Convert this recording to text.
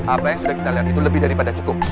apa yang sudah kita lihat itu lebih daripada cukup